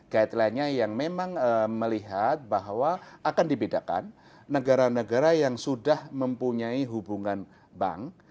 guideline nya yang memang melihat bahwa akan dibedakan negara negara yang sudah mempunyai hubungan bank